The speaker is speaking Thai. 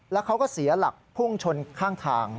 แล้วเขาก็เสียหลักพุ่งชนข้างทาง